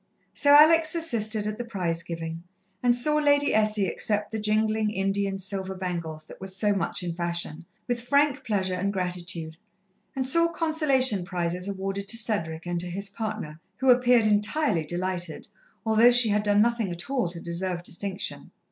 So Alex assisted at the prize giving, and saw Lady Essie accept the jingling, Indian silver bangles that were so much in fashion, with frank pleasure and gratitude, and saw consolation prizes awarded to Cedric and to his partner, who appeared entirely delighted, although she had done nothing at all to deserve distinction.